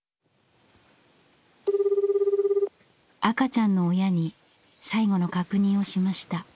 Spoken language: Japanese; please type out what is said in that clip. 赤ちゃんの親に最後の確認をしました。